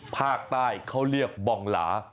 ภาคใต้เขาเรียกบองหลา